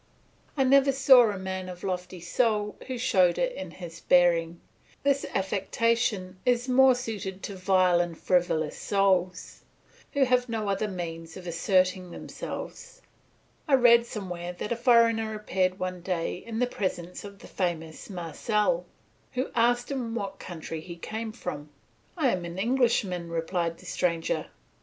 I never saw a man of lofty soul who showed it in his bearing; this affectation is more suited to vile and frivolous souls, who have no other means of asserting themselves. I read somewhere that a foreigner appeared one day in the presence of the famous Marcel, who asked him what country he came from. "I am an Englishman," replied the stranger.